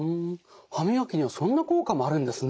歯磨きにはそんな効果もあるんですね。